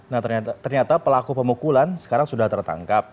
nah ternyata pelaku pemukulan sekarang sudah tertangkap